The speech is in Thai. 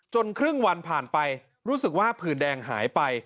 ครึ่งวันผ่านไปรู้สึกว่าผื่นแดงหายไป